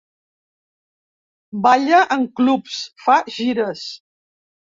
Balla en clubs, fa gires.